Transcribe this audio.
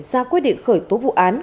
ra quyết định khởi tố vụ án